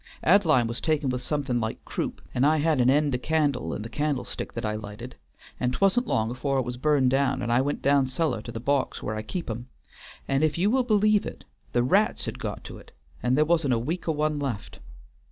Ad'line was taken with something like croup, and I had an end o' candle in the candlestick that I lighted, and 't wa'n't long afore it was burnt down, and I went down cellar to the box where I kep' 'em, and if you will believe it, the rats had got to it, and there wasn't a week o' one left.